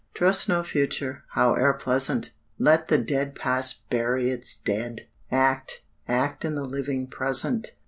Trust no Future, howe'er pleasant! Let the dead Past bury its dead! Act, act in the living Present!